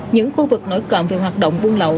những khu vực nổi cộm về hoạt động buôn lậu